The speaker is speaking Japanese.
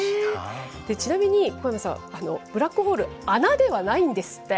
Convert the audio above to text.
ちなみに、小山さん、ブラックホール、穴ではないんですって。